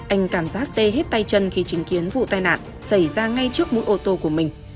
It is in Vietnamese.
anh cảm giác tê hết tay chân khi chứng kiến vụ tai nạn xảy ra ngay trước mỗi ô tô của mình